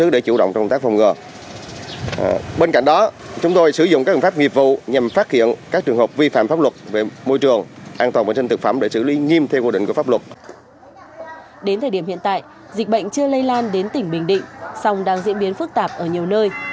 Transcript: đến thời điểm hiện tại dịch bệnh chưa lây lan đến tỉnh bình định song đang diễn biến phức tạp ở nhiều nơi